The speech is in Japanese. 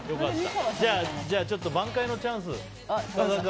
じゃあ挽回のチャンス、深澤君